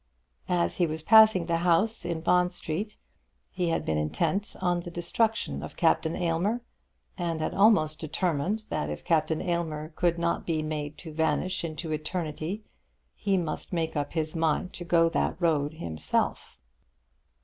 As he was passing the house in Bond Street he had been intent on the destruction of Captain Aylmer, and had almost determined that if Captain Aylmer could not be made to vanish into eternity, he must make up his mind to go that road himself.